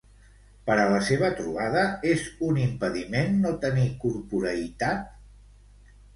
Per a la seva trobada, és un impediment no tenir corporeïtat?